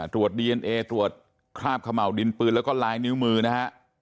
ตรวจดีเอนเอตรวจคราบเขม่าวดินปืนแล้วก็ลายนิ้วมือนะฮะ